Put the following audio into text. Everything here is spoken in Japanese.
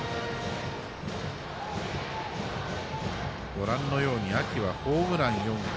ご覧のように秋はホームラン４本。